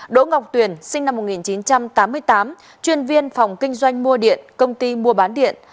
đỗ ngọc tuyền sinh năm một nghìn chín trăm tám mươi tám chuyên viên phòng kinh doanh mua điện công ty mua bán điện